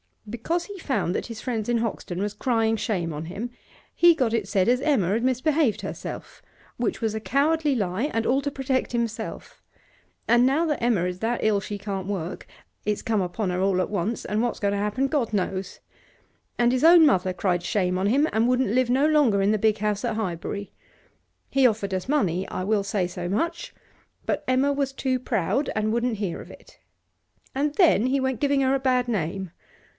Because he found that his friends in Hoxton was crying shame on him, he got it said as Emma had misbehaved herself, which was a cowardly lie, and all to protect himself. And now Emma is that ill she can't work; it's come upon her all at once, and what's going to happen God knows. And his own mother cried shame on him, and wouldn't live no longer in the big house in Highbury. He offered us money I will say so much but Emma was too proud, and wouldn't hear of it. And then he went giving her a bad name.